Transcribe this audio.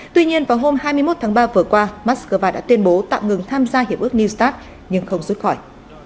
tuy nhiên vào hôm hai mươi một tháng ba vừa qua moscow đã tuyên bố tạm ngừng tham gia hiệp ước new start nhưng không rút khỏi